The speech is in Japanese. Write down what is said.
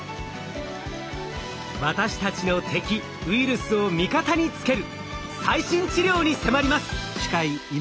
私たちの敵ウイルスを味方につける最新治療に迫ります！